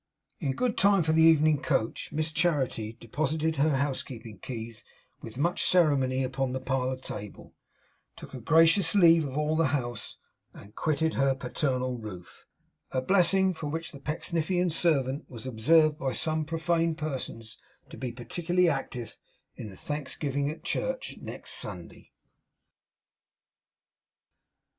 In good time for the evening coach, Miss Charity deposited her housekeeping keys with much ceremony upon the parlour table; took a gracious leave of all the house; and quitted her paternal roof a blessing for which the Pecksniffian servant was observed by some profane persons to be particularly active in the thanksgiving at church next Sunday.